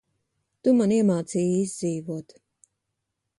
Tu man iemācīji izdzīvot.